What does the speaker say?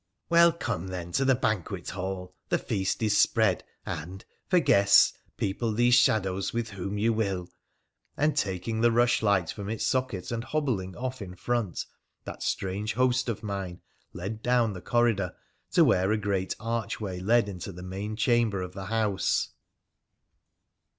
' Well, come, then, to the banquet hall — the feast is spread, and, for guests, people these shadows with whom you will !' and, taking the rushlight from its socket and hobbling off in front, that strange host of mind led down the corridor to where a great archway led into the main chamber of the house.